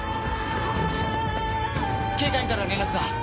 警戒員から連絡が。